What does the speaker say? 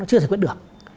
chưa giải quyết được